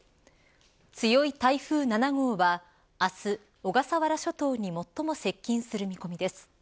強い台風７号は明日、小笠原諸島に最も接近する見込みです。